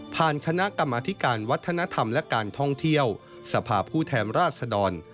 คณะกรรมธิการวัฒนธรรมและการท่องเที่ยวสภาพผู้แทนราชดร